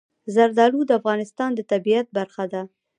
زردالو د افغانستان د طبیعت برخه ده.